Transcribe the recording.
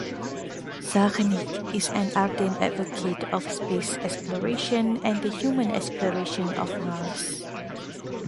Czarnik is an ardent advocate of space exploration and the human exploration of Mars.